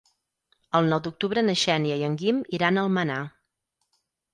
El nou d'octubre na Xènia i en Guim iran a Almenar.